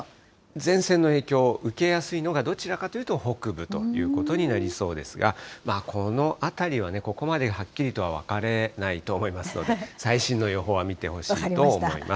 前線の影響を受けやすいのがどちらかというと北部ということになりそうですが、まあこのあたりはね、ここまではっきりとは分かれないと思いますので、最新の予報は見てほしいと思います。